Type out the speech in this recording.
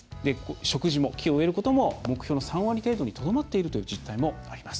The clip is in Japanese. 植樹も、木を植えることも目標の３割程度にとどまっているという実態もあります。